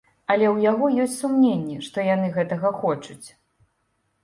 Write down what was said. Але ў яго ёсць сумненні, што яны гэтага хочуць.